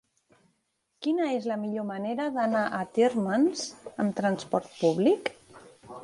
Quina és la millor manera d'anar a Térmens amb trasport públic?